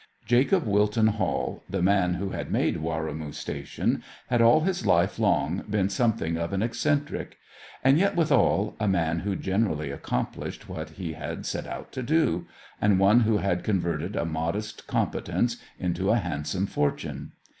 Jacob Wilton Hall, the man who had made Warrimoo station, had all his life long been something of an eccentric; and yet, withal, a man who generally accomplished what he had set out to do, and one who had converted a modest competence into a handsome fortune.